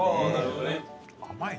甘いね。